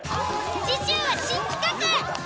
次週は新企画！